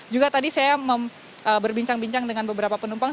juga tadi saya berbincang bincang dengan beberapa penumpang